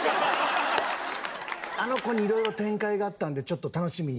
あの子に色々展開があったんでちょっと楽しみに。